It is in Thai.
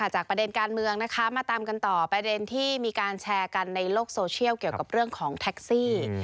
ประเด็นการเมืองนะคะมาตามกันต่อประเด็นที่มีการแชร์กันในโลกโซเชียลเกี่ยวกับเรื่องของแท็กซี่